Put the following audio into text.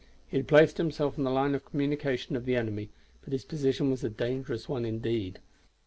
He had placed himself on the line of communication of the enemy, but his position was a dangerous one indeed.